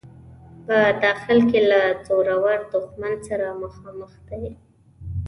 په داخل کې له زورور دښمن سره مخامخ دی.